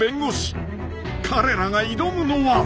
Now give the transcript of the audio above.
［彼らが挑むのは］